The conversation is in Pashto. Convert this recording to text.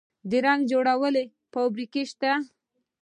د رنګ جوړولو فابریکې شته؟